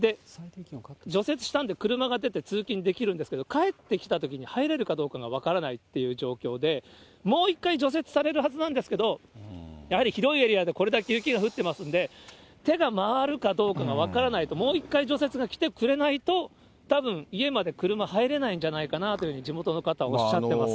除雪したんで、車が出て、通勤できるんですけど、帰ってきたときに入れるかどうかが分からないっていう状況で、もう一回、除雪されるはずなんですけど、やはり広いエリアでこれだけ雪が降ってますんで、手が回るかどうかが分からないと、もう１回除雪が来てくれないと、たぶん、家まで車入れないんじゃないかなというふうに、地元の方はおっしゃってます。